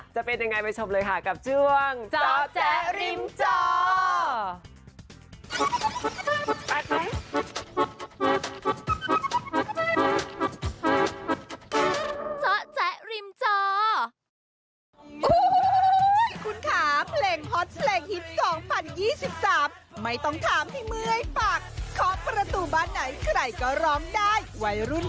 จะเป็นยังไงไปชมเลยค่ะกับช่วงเจาะแจ๊ริมจอ